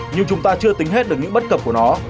nhưng chúng ta chưa tính hết được những bất cập của nó